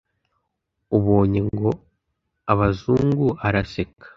Ubonye ngo abazungu araseka